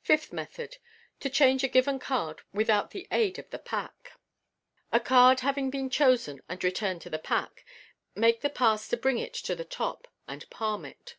Fifth Method. (To change a given card without the aid of the pack.) — A card having been chosen and returned to the pack, make the pass to bring it to the top, and palm it.